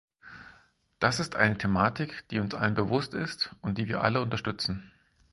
Das ist eine Thematik, die uns allen bewusst ist und die wir alle unterstützen.